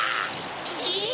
えっ？